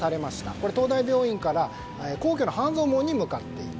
これ、東大病院から皇居の半蔵門に向かっていた。